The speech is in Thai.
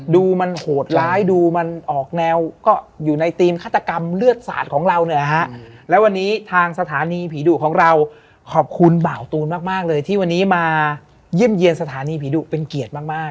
ดูมันโหดร้ายดูมันออกแนวก็อยู่ในธีมฆาตกรรมเลือดศาสตร์ของเราเนี่ยนะฮะแล้ววันนี้ทางสถานีผีดุของเราขอบคุณบ่าวตูนมากเลยที่วันนี้มาเยี่ยมเยี่ยมสถานีผีดุเป็นเกียรติมาก